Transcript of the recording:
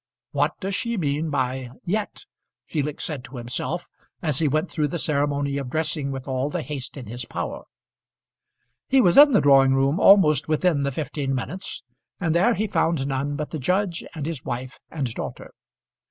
"What does she mean by 'yet'?" Felix said to himself as he went through the ceremony of dressing with all the haste in his power. He was in the drawing room almost within the fifteen minutes, and there he found none but the judge and his wife and daughter.